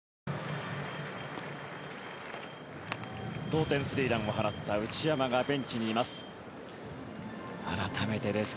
同点スリーランを放った内山がベンチにいます。